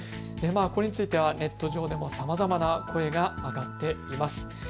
これについてはネット上でもさまざまな声が上がっています。